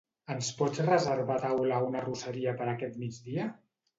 Ens pots reservar taula a una arrosseria per aquest migdia?